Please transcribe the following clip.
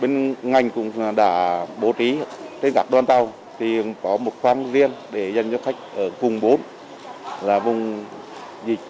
chúng tôi cũng đã bố trí trên các đoàn tàu thì có một khoang riêng để dành cho khách ở vùng bốn là vùng dịch